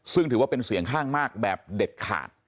ซึ่งถือว่าเป็นเสียงข้างมากแบบเด็ดขาด